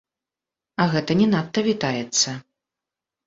А гэта не надта вітаецца.